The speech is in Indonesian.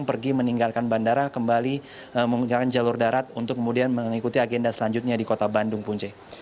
pergi meninggalkan bandara kembali menggunakan jalur darat untuk kemudian mengikuti agenda selanjutnya di kota bandung punce